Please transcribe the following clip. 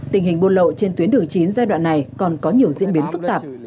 tình hình buôn lậu trên tuyến đường chín giai đoạn này còn có nhiều diễn biến phức tạp